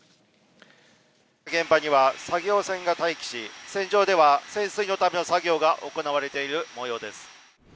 現場には、作業船が待機し、船上では潜水のための作業が行われているもようです。